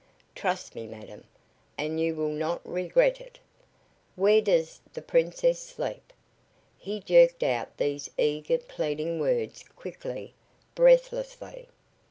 Trust me, madam, and you will not regret it. Where does the Princess sleep?" He jerked out these eager, pleading words quickly, breathlessly.